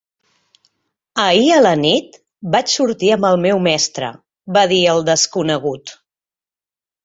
"Ahir a la nit vaig sortir amb el meu mestre", va dir el desconegut.